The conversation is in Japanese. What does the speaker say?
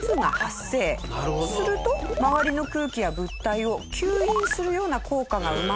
すると周りの空気や物体を吸引するような効果が生まれて。